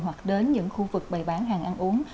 hoặc đến những khu vực bày bán hàng ăn uống